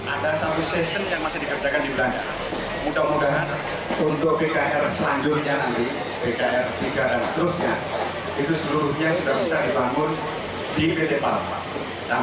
ada satu session yang masih dikerjakan di belanda mudah mudahan untuk bkr selanjutnya nanti bkr tiga dan seterusnya itu seluruhnya sudah bisa dibangun di pt pal